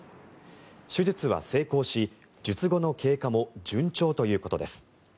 手術は成功し、術後の経過も順調ということです。